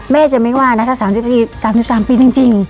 แม่จะไม่ว่านะถ้าสามสิบสามปีสามสิบสามปีจริงจริง